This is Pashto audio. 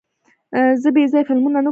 زه بېځایه فلمونه نه ګورم.